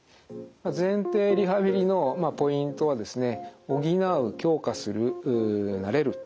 前庭リハビリのポイントはですね